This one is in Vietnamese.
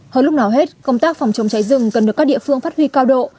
hơn lúc nào hết công tác phòng chống cháy rừng cần được các địa phương phát huy cao độ